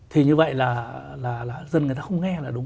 thì như vậy là dân người ta không nghe là đúng